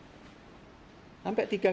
hai sampai tiga kali ya pak